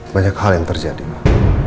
banyak hal yang terjadi pak